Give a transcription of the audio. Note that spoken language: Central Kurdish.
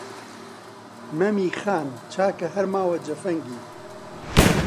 «مەمی خان» چاکە هەر ماوە جەفەنگی